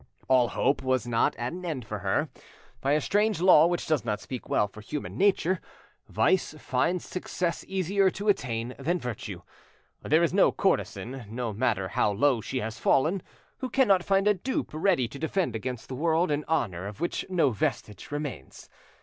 All hope was not at an end for her. By a strange law which does not speak well for human nature, vice finds success easier to attain than virtue. There is no courtesan, no matter how low she has fallen, who cannot find a dupe ready to defend against the world an honour of which no vestige remains.